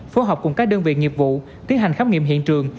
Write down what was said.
phối hợp cùng các đơn vị nghiệp vụ tiến hành khám nghiệm hiện trường